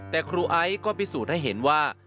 แต่ครูไอซ์ก็พิสูจน์ให้เห็นว่า